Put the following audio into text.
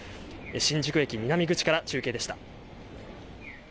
新宿駅南口から中継でした。